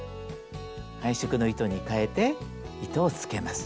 配色の糸にかえて糸をつけます。